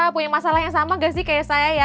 punya masalah yang sama gak sih kayak saya ya